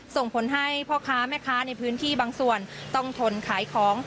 ส่งผลให้พ่อค้าแม่ค้าในพื้นที่บางส่วนต้องทนขายของ